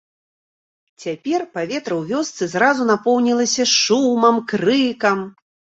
Цяпер паветра ў вёсцы зразу напоўнілася шумам, крыкам.